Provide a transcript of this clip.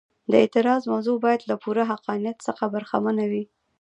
د اعتراض موضوع باید له پوره حقانیت څخه برخمنه وي.